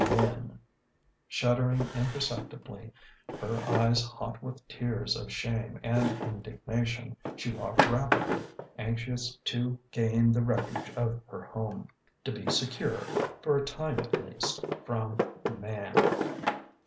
Men!... Shuddering imperceptibly, her eyes hot with tears of shame and indignation, she walked rapidly, anxious to gain the refuge of her home, to be secure, for a time at least, from Man....